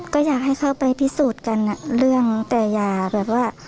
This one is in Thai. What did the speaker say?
ก็อยากให้เขาไปพิสูจน์กันเรื่องแต่อย่าแบบว่า